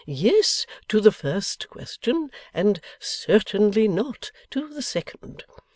Yes to the first question, and Certainly Not to the second.